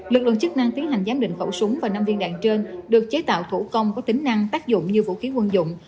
lực lượng chức năng tiến hành giám định khẩu súng và năm viên đạn trên được chế tạo thủ công có tính năng tác dụng như vũ khí quân dụng